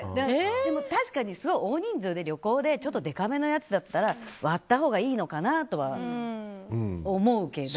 確かに、大人数で旅行ででかめのやつだったら割ったほうがいいのかなとは思うけど。